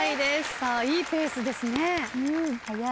いいペースですね。